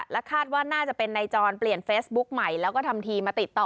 คาดว่าน่าจะเป็นนายจรเปลี่ยนเฟซบุ๊กใหม่แล้วก็ทำทีมาติดต่อ